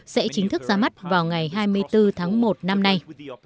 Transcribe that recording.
sẽ chính thức ra mắt vào ngày hai mươi bốn tháng một năm nay